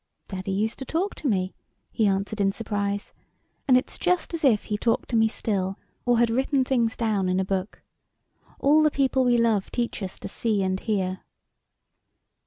" Daddy used to talk to me," he answered in sur prise ;" and it's just as if he talked to me still, or had written things down in a book. All the people we love teach us to see and hear."